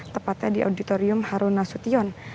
tepatnya di auditorium harun nasution